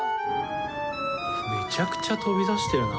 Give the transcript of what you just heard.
めちゃくちゃ飛び出してるな。